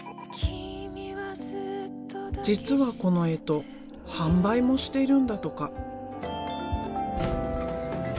実はこの干支販売もしているんだとか。